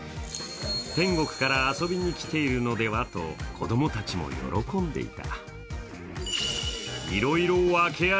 天国から遊びに来ているのではと子供たちも喜んでいた。